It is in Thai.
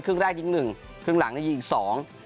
ครึ่งแรกยิง๑ครึ่งหลังยิง๒